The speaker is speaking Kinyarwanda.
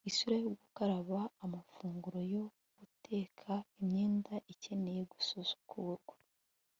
isura yo gukaraba, amafunguro yo guteka, imyenda ikeneye gusukurwa